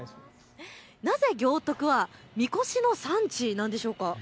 なぜ行徳は神輿の産地なんでしょうか。